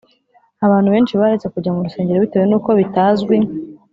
Abantu benshi baretse kujya mu rusengero bitewe n uko bitazwi